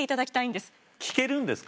聞けるんですか？